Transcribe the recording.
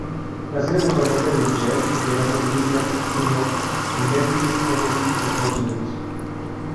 Nacido bajo el nombre de Michael Jerome Williams, Jr., en Memphis, Tennessee, Estados Unidos.